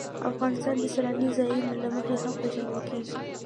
افغانستان د سیلاني ځایونو له مخې هم پېژندل کېږي.